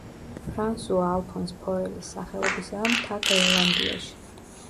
ფრანსუა ალფონს ფორელის სახელობისაა მთა გრენლანდიაში.